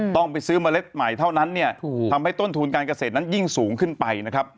ต้องไปซื้อเมล็ดใหม่เท่านั้นเนี่ยทำให้ต้นทุนการเกษตรนั้นยิ่งสูงขึ้นไปนะครับ